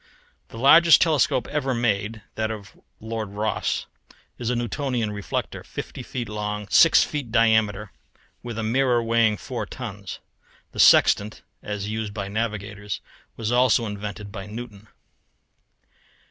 The largest telescope ever made, that of Lord Rosse, is a Newtonian reflector, fifty feet long, six feet diameter, with a mirror weighing four tons. The sextant, as used by navigators, was also invented by Newton.